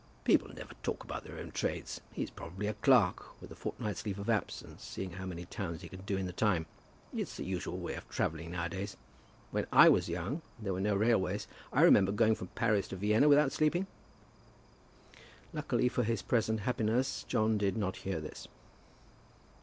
"People never talk about their own trades. He's probably a clerk with a fortnight's leave of absence, seeing how many towns he can do in the time. It's the usual way of travelling now a days. When I was young and there were no railways, I remember going from Paris to Vienna without sleeping." Luckily for his present happiness, John did not hear this.